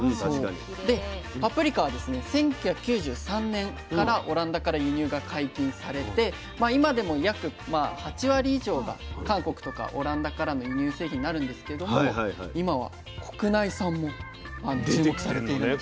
１９９３年からオランダから輸入が解禁されて今でも約８割以上が韓国とかオランダからの輸入製品になるんですけども今は国内産も注目されているんです。